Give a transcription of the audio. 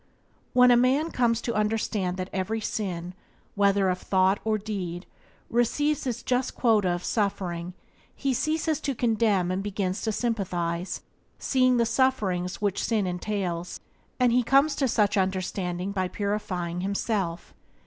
When a man comes to understand that every sin, whether of thought or deed, receives its just quota of suffering he ceases to condemn and begins to sympathize, seeing the sufferings which sin entails; and he comes to such understanding by purifying himself.